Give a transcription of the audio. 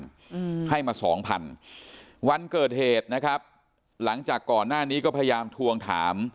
อืมให้มาสองพันวันเกิดเหตุนะครับหลังจากก่อนหน้านี้ก็พยายามทวงถาม